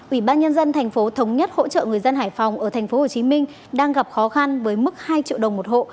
ủy ban nhân dân thành phố thống nhất hỗ trợ người dân hải phòng ở thành phố hồ chí minh đang gặp khó khăn với mức hai triệu đồng một hộ